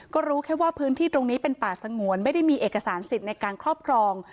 ก็รู้แค่ว่าพื้นที่ตรงนี้เป็นป่าสงวนไม่ได้มีเอกสารสิทธิ์ในการครอบครอง